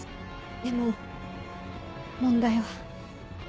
でも問題は。